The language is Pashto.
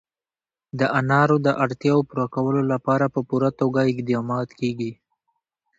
د انارو د اړتیاوو پوره کولو لپاره په پوره توګه اقدامات کېږي.